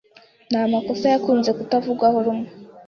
Ni amakosa yakunze kutavugwaho rumwe